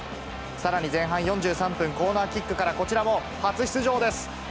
さらに前半４３分、コーナーキックからこちらも初出場です。